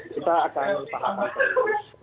kita akan usahakan terus